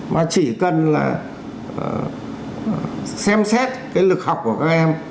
mà chỉ cần là xem xét cái lực học của các em